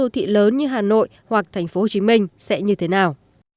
đô thị lớn như hà nội hoặc thành phố hồ chí minh sẽ như thế nào